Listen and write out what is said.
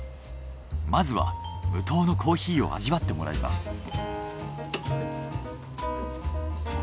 まずは無糖のコーヒーを味わってもらいます。